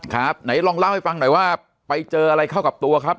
ครับไหนลองเล่าให้ฟังหน่อยว่าไปเจออะไรเข้ากับตัวครับ